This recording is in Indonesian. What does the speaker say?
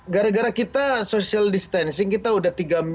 gara gara kita social distancing kita udah tiga